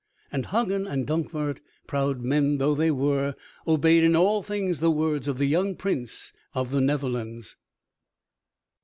And Hagen and Dankwart, proud men though they were, obeyed in all things the words of the young Prince of the Netherlands.